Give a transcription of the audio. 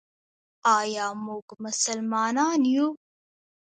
آیا موږ مسلمانان یو؟